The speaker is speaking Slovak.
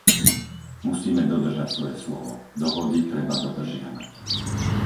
Musíme dodržať svoje slovo - dohody treba dodržiavať.